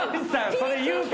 それ言うから。